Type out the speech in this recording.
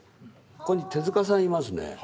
ここに手さんいますね。